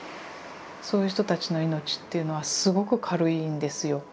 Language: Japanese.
そういう人たちの命っていうのはすごく軽いんですよ。